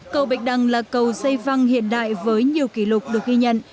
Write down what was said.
cầu bịch đăng là cầu xây văng hiện đại với nhiều kỷ lục được ghi nhận